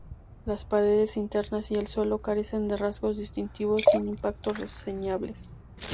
Las paredes internas y el suelo carecen de rasgos distintivos, sin impactos reseñables.